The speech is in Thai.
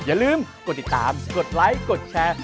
อย่าลืมกดติดตามกดไลค์กดแชร์